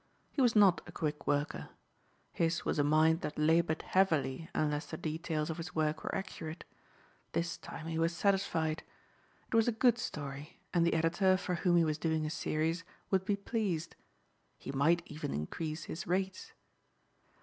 He was not a quick worker. His was a mind that labored heavily unless the details of his work were accurate. This time he was satisfied. It was a good story and the editor for whom he was doing a series would be pleased. He might even increase his rates.